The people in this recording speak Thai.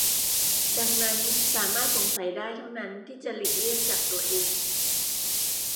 ดังนั้นสามารถสงสัยได้เท่านั้นที่จะหลีกเลี่ยงจากตัวเอง